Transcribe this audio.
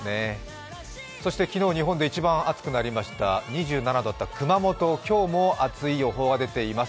そして昨日、日本一番暑くなりました熊本、今日も暑い予報が出ています。